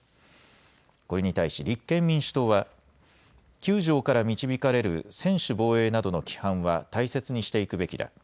これに対し立憲民主党は、９条から導かれる専守防衛などの規範は大切にしていくべきだ。